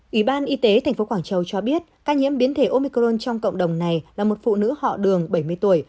ủy ban y tế tp quảng châu cho biết ca nhiễm biến thể omicron trong cộng đồng này là một phụ nữ họ đường bảy mươi tuổi